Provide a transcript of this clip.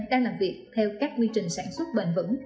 đang làm việc theo các quy trình sản xuất bền vững